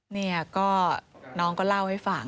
เนี่ยก็น้องก็เล่าให้ฟัง